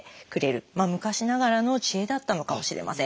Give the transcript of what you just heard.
昔ながらの知恵だったのかもしれません。